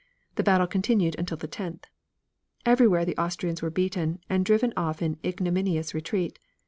The battle continued until the tenth. Everywhere the Austrians were beaten, and driven off in ignominious retreat.